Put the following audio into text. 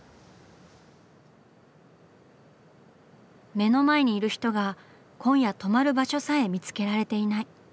「目の前にいる人が今夜泊まる場所さえ見つけられていない」。